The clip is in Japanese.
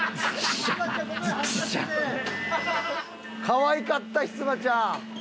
かわいかったひつまちゃん。